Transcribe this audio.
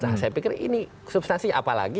nah saya pikir ini substansinya